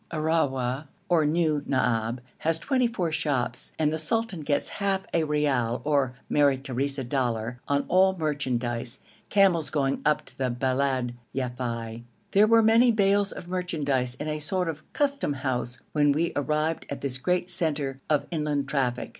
Arrawa, or New Naab, has twenty four shops, and the sultan gets half a real (or Maria Theresa dollar) on all merchandise camels going up to the Beled Yafei. There were many bales of merchandise in a sort of Custom house when we arrived at this great centre of inland traffic.